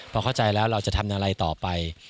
พอเข้าใจแล้วเราจะทำอะไรต่อไป